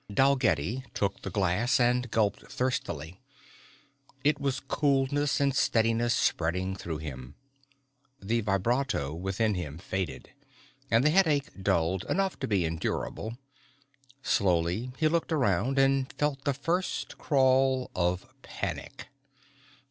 Dalgetty took the glass and gulped thirstily. It was coolness and steadiness spreading through him. The vibratto within him faded, and the headache dulled enough to be endurable. Slowly he looked around, and felt the first crawl of panic.